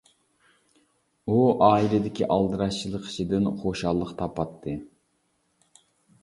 ئۇ ئائىلىدىكى ئالدىراشچىلىق ئىچىدىن خۇشاللىق تاپاتتى.